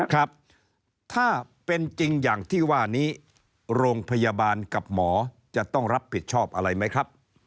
ครับถ้าเป็นจริงอย่างที่ว่านี้โรงพยาบาลกับหมอจะต้องรับผิดชอบอะไรไหมครับ